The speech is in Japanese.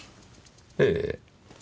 ええ。